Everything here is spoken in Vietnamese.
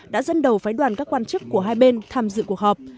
đã dẫn đầu phái đoàn các quan chức của hai bên tham dự cuộc họp